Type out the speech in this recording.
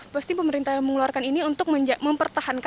pasti pemerintah yang mengeluarkan ini untuk mempertahankan